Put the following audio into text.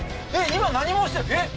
今何もしてえっ？